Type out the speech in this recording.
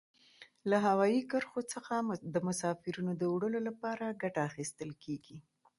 له هوایي کرښو څخه د مسافرینو د وړلو لپاره ګټه اخیستل کیږي.